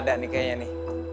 udah ada nih kayaknya